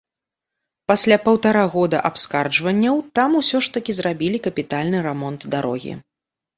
Пасля паўтара года абскарджванняў там усё ж такі зрабілі капітальны рамонт дарогі.